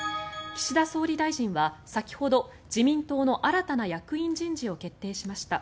岸田総理大臣は先ほど自民党の新たな役員人事を決定しました。